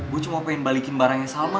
gue cuma pengen balikin barangnya salma